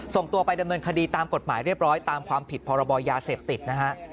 ส่งตัวไปดำเนินคดีตามกฎหมายเรียบร้อยตามความผิดพรบยาเสพติดนะฮะ